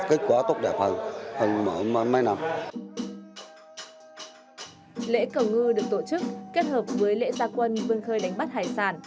lễ cầu ngư được tổ chức kết hợp với lễ gia quân vươn khơi đánh bắt hải sản